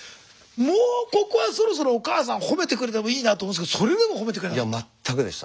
もうここはそろそろお母さん褒めてくれてもいいなと思うんですけどそれでも褒めてくれなかった？